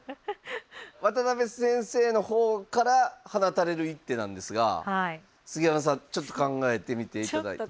渡辺先生の方から放たれる一手なんですが杉山さんちょっと考えてみていただいても。